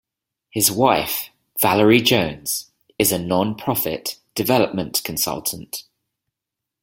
His wife, Valerie Jones, is a non-profit development consultant.